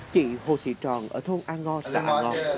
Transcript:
chị hồ thị tròn ở thôn a ngo xã a ngo